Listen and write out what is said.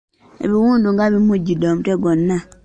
Ebiwundu nga bimujjuddde omutwe gwonna!